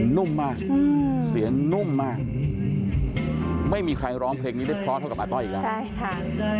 นุ่มมากเสียงนุ่มมากไม่มีใครร้องเพลงนี้ได้เพราะเท่ากับอาต้อยอีกแล้วใช่ค่ะ